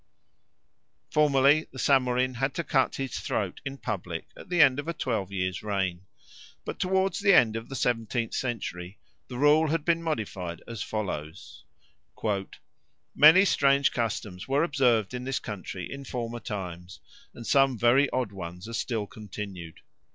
Formerly the Samorin had to cut his throat in public at the end of a twelve years' reign. But towards the end of the seventeenth century the rule had been modified as follows: "Many strange customs were observed in this country in former times, and some very odd ones are still continued.